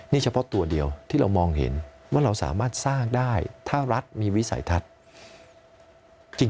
นี่เฉพาะตัวเดียวที่เรามองเห็นว่าเราสามารถสร้างได้ถ้ารัฐมีวิสัยทัศน์